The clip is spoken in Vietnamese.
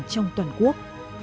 trong toàn quốc